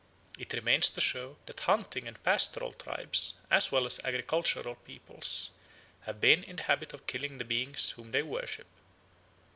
It remains to show that hunting and pastoral tribes, as well as agricultural peoples, have been in the habit of killing the beings whom they worship.